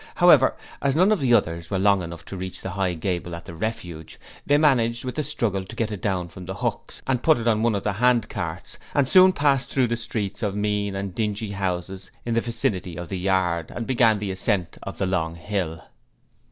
However, as none of the others were long enough to reach the high gable at the Refuge, they managed, with a struggle, to get it down from the hooks and put it on one of the handcarts and soon passed through the streets of mean and dingy houses in the vicinity of the yard, and began the ascent of the long hill.